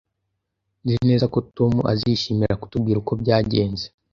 Nzi neza ko Tom azishimira kutubwira uko byagenze